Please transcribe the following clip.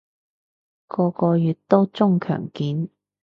個個月都中強檢